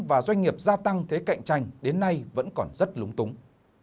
và doanh nghiệp gia tăng thế cạnh tranh đến nay vẫn còn rất lúng túng